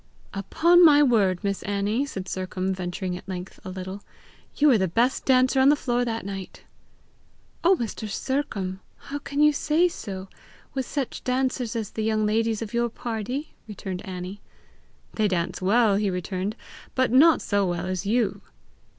"Upon my word, Miss Annie," said Sercombe, venturing at length a little, "you were the best dancer on the floor that night!" "Oh, Mr. Sercombe! how can you say so with such dancers as the young ladies of your party!" returned Annie. "They dance well," he returned, "but not so well as you."